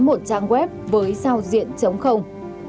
một trang web với sao diện chống không